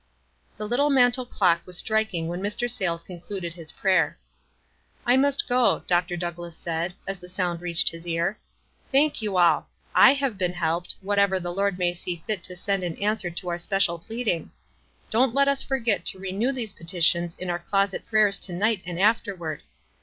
The little mantel clock was striking when Mr. Sayles concluded his prayer. "I must go," Dr. Douglass said, as the sound reached his ear. Thank you all. / have been helped, whatever the Lord may see fit to send in answer to our special pleading. Don't let us forget to renew these petitions in our closet prayers to night and afterward.